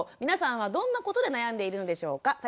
皆さんはどんなことで悩んでいるんでしょうか。